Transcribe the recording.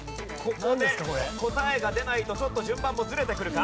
ここで答えが出ないとちょっと順番もずれてくるか？